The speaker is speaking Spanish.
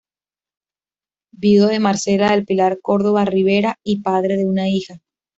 Viudo de Marcela del Pilar Córdova Rivera y padre de una hija.